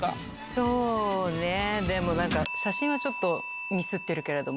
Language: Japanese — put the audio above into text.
そうね、でもなんか、写真はちょっと、ミスってるけれども。